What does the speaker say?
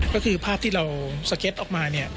ก็คือภาพที่เราสเก็ตออกมา